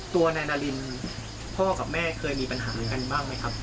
ตัวนายนารินพ่อกับแม่เคยมีปัญหากันบ้างไหมครับ